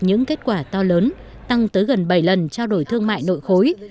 những kết quả to lớn tăng tới gần bảy lần trao đổi thương mại nội khối